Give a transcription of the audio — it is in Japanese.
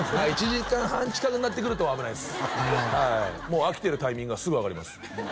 １時間半近くなってくると危ないっすはいもう飽きてるタイミングがすぐ分かります